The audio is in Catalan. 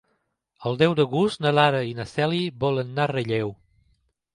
El deu d'agost na Lara i na Cèlia volen anar a Relleu.